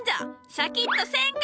シャキッとせんか！